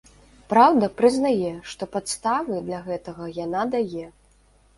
Праўда, прызнае, што падставы для гэтага яна дае.